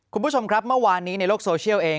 คุณผู้ชมครับเมื่อวานนี้ในโลกโซเชียลเอง